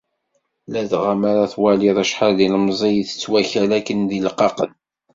Ladɣa mi ara twaliḍ acḥal d ilemẓi i ittett wakal akken d ileqqaqen.